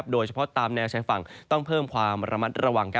โดยเฉพาะตามแนวชายฝั่งต้องเพิ่มความระมัดระวัง